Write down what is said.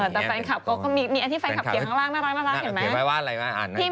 แต่แฟนคลับเขาก็มีอันที่แฟนคลับเขียนข้างล่างน่ารักเห็นไหม